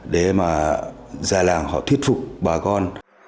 để mà gia làng họ thuyết phục bà con